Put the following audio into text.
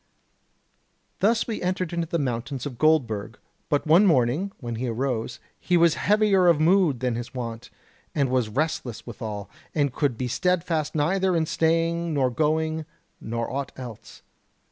"Thus we entered into the mountains of Goldburg; but one morning, when he arose, he was heavier of mood than his wont, and was restless withal, and could be steadfast neither in staying nor going, nor aught else.